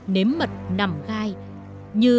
nằm gai như